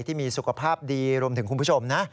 ที่มีสุขภาพดีรวมถึงคุณผู้ชมนะ